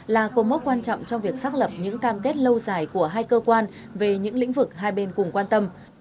là cố mốc quan trọng trong việc xác lập những cam kết lâu dài của hai cơ quan về những lĩnh vực hai bên cùng quan tâm